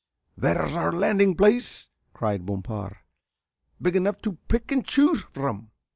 "There's our landing place," cried Bompard, "big enough to pick and choose from."